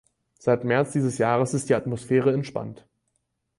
Seit März dieses Jahres ist die Atmosphäre entspannt.